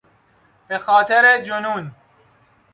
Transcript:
به خاطر جنون